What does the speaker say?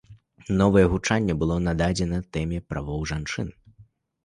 Новае гучанне было нададзена тэме правоў жанчын.